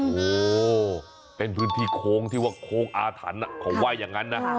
โอ้โหเป็นพื้นที่โค้งที่ว่าโค้งอาถรรพ์เขาว่าอย่างนั้นนะ